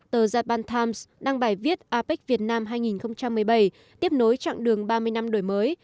tờ japan times đăng bài viết apec việt nam hai nghìn một mươi bảy tiếp nối chặng đường ba mươi năm đổi mới